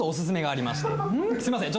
すいません